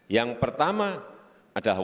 yang pertama ada wanita